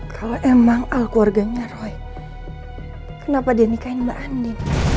kalau emang al keluarganya roy kenapa dia nikahin mbak andi